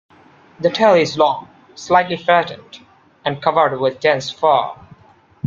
The tail is long, slightly flattened, and covered with dense fur.